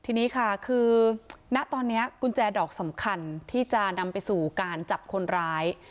ทีนี้ค่ะคือณตอนนี้กุญแจดอกสำคัญที่จะนำไปสู่การจับคนร้าย